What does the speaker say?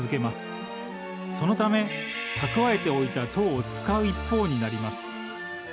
そのため蓄えておいた糖を使う一方になります。